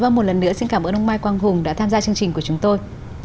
vâng một lần nữa xin cảm ơn ông mai quang hùng đã tham gia chương trình của chúng tôi